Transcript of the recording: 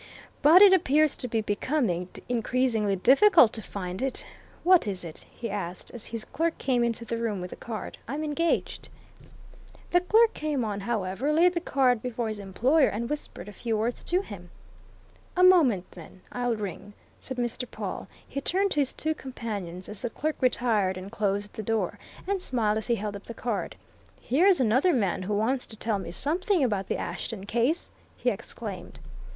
But it appears to be becoming increasingly difficult to find it.... What is it?" he asked, as his clerk came into the room with a card. "I'm engaged." The clerk came on, however, laid the card before his employer, and whispered a few words to him. "A moment, then I'll ring," said Mr. Pawle. He turned to his two companions as the clerk retired and closed the door, and smiled as he held up the card. "Here's another man who wants to tell me something about the Ashton case!" he exclaimed.